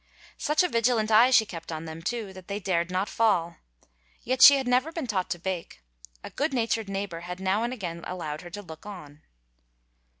Such a vigilant eye she kept on them, too, that they dared not fall. Yet she had never been taught to bake; a good natured neighbor had now and again allowed her to look on.